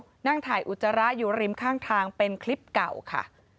ก็นั่งถ่ายอุจจาระอยู่ริมข้างทางเป็นคลิปเก่าค่ะ